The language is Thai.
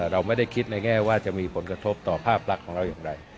เราไม่ได้คิดในแง่ว่าจะมีผลกระทบต่อภาพลักษณ์ของเราอย่างไร